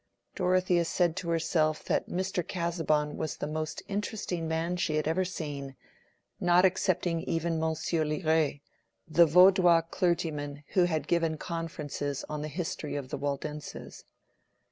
Dorothea said to herself that Mr. Casaubon was the most interesting man she had ever seen, not excepting even Monsieur Liret, the Vaudois clergyman who had given conferences on the history of the Waldenses.